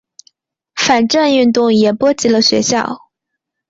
反战运动也波及了学校。